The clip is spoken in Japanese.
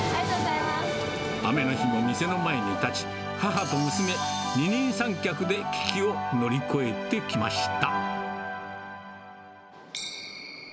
雨の日も店の前に立ち、母と娘、二人三脚で危機を乗り越えてきました。